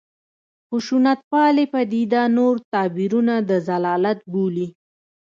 خشونتپالې پدیده نور تعبیرونه د ضلالت بولي.